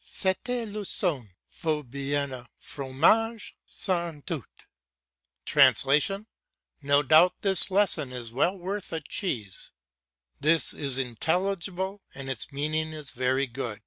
"Ce lecon vaut bien un fromage, sans doute" ("No doubt this lesson is well worth a cheese"). This is intelligible and its meaning is very good.